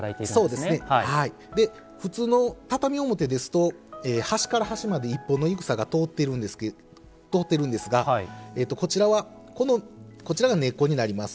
で普通の畳表ですと端から端まで１本のい草が通ってるんですがこちらが根っこになります。